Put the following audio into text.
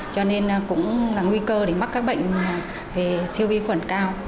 cho nên cũng là nguy cơ để mắc các bệnh về siêu vi khuẩn cao